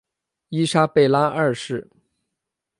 伊莎贝拉二世。